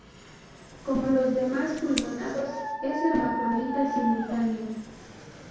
Como los demás pulmonados es hermafrodita simultáneo.